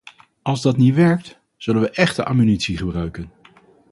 Als dat niet werkt, zullen we echte ammunitie gebruiken.